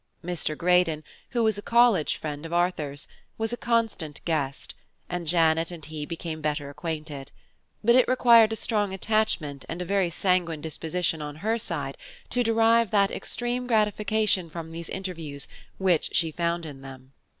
Mr. Greydon, who was an old college friend of Arthur's, was a constant guest, and Janet and he became better acquainted; but it required a strong attachment and a very sanguine disposition on her side to derive that extreme gratification from these interviews which she found in them.